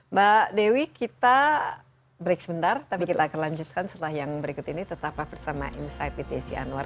mbak dewi kita break sebentar tapi kita akan lanjutkan setelah yang berikut ini tetaplah bersama insight with desi anwar